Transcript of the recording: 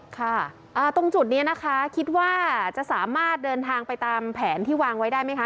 ค่ะตรงจุดนี้นะคะคิดว่าจะสามารถเดินทางไปตามแผนที่วางไว้ได้ไหมคะ